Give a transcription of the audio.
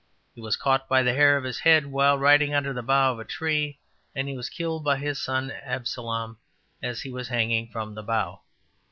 He was caught by the hair of his head, while riding under the bough of a tree, and he was killed by his son Absalom as he was hanging from the bough.''